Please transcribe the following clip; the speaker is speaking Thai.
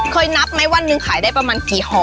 นับไหมวันหนึ่งขายได้ประมาณกี่ห่อ